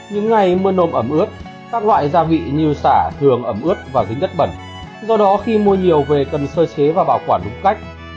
những ngày mưa nôm ẩm ướt các loại gia vị như xả thường ẩm ướt và dính chất bẩn do đó khi mua nhiều về cần sơ chế và bảo quản đúng cách